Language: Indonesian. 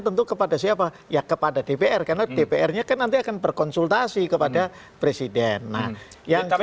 tentu kepada siapa ya kepada dpr karena dpr nya kan nanti akan berkonsultasi kepada presiden nah yang